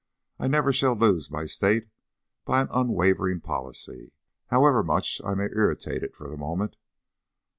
I never shall lose my State by an unwavering policy, however much I may irritate it for the moment.